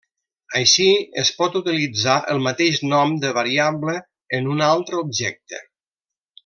Així es pot utilitzar el mateix nom de variable en un altre objecte.